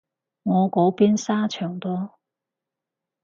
我嗰邊沙場多